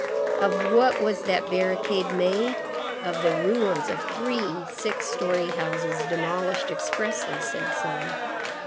Of what was that barricade made? Of the ruins of three six story houses demolished expressly, said some.